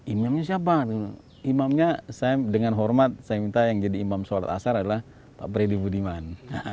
imamnya siapa imamnya saya dengan hormat saya minta yang jadi imam sholat asar adalah pak freddy budiman